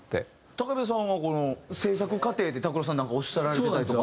武部さんはこの制作過程で拓郎さんになんかおっしゃられてたりとかは？